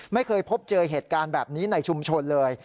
ไม่เคยพบเจอเหตุการณ์แบบนี้ในชุมชนเลย